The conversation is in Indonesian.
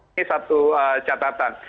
ini satu catatan